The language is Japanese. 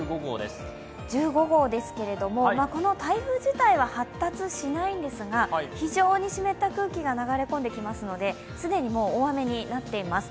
１５号ですけれども、この台風自体は発達しないんですが、非常に湿った空気が流れ込んできますので既にもう大雨になっています。